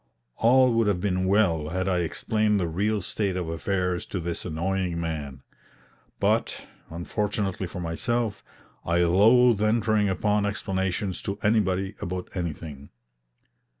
All would have been well had I explained the real state of affairs to this annoying man; but, unfortunately for myself, I loathe entering upon explanations to anybody about anything.